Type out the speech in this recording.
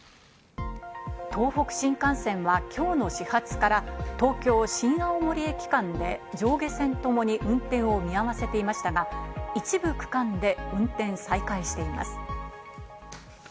東北新幹線は今日の始発から東京ー新青森駅間で上下線ともに運転を見合わせていましたが、一部区間で運転再開しています。